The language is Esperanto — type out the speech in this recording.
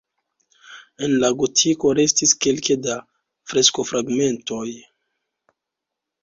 El la gotiko restis kelke da freskofragmentoj.